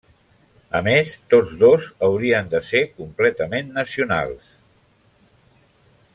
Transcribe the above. A més, tots dos haurien de ser completament nacionals.